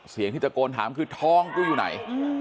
เสียงที่ตะโกนถามคือท้องกูอยู่ไหน